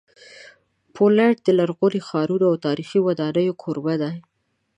پولینډ د لرغونو ښارونو او تاریخي ودانیو کوربه دی.